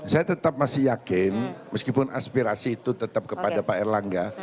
saya tetap masih yakin meskipun aspirasi itu tetap kepada pak erlangga